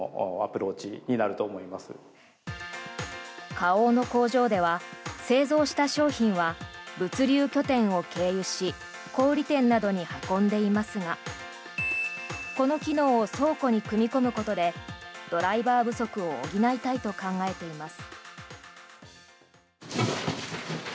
花王の工場では製造した商品は物流拠点を経由し小売店などに運んでいますがこの機能を倉庫に組み込むことでドライバー不足を補いたいと考えています。